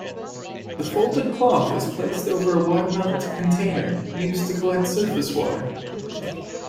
The folded cloth is placed over a wide-mouthed container used to collect surface water.